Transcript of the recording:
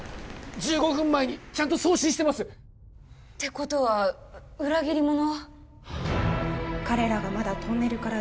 １５分前にちゃんと送信してますてことは裏切り者はああっ！